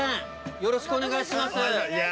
よろしくお願いします。